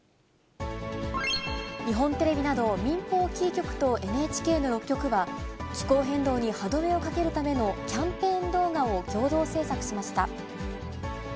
日本テレビなど、民放キー局とＮＨＫの６局は、気候変動に歯止めをかけるためのキャンペーン動画を共同制作しました。